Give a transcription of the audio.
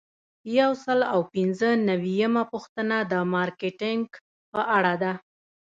یو سل او پنځه نوي یمه پوښتنه د مارکیټینګ په اړه ده.